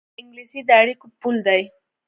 انګلیسي د اړیکو پُل دی